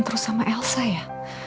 terus sama elsa ya